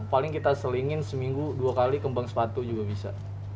paling kita selingin seminggu dua kali kembang sepatu juga bisa